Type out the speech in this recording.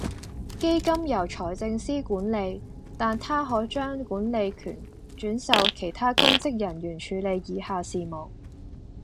基金由財政司管理，但他可將管理權轉授其他公職人員處理以下事務